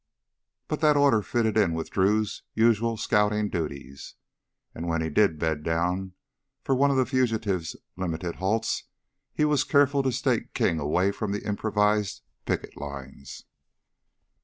But that order fitted in with Drew's usual scouting duties. And when he did bed down for one of the fugitives' limited halts he was careful to stake King away from the improvised picket lines.